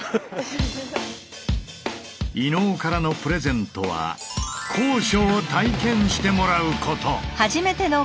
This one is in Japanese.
伊野尾からのプレゼントは高所を体験してもらうこと。